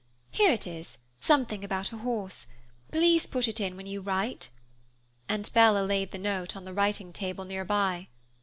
Here it is, something about a horse. Please put it in when you write," and Bella laid the note on the writing table nearby.